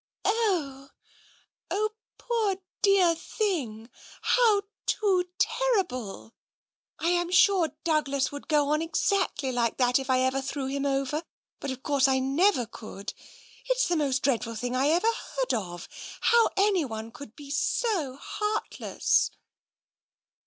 " Oh, oh, poor dear thing ! How too terrible ! I am sure Douglas would go on exactly like that if I ever threw him over. But of course I never could. It's the most dreadful thing I ever heard of — how any one could be so heartless